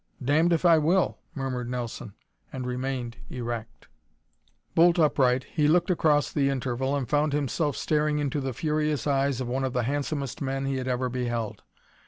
"Damned if I will," murmured Nelson, and remained erect. Bolt upright, he looked across the interval and found himself staring into the furious eyes of one of the handsomest men he had ever beheld.